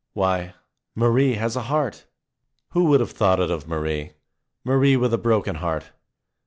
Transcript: Why, Marie has a heart! Who would have thought it of Marie? Marie with a broken heart!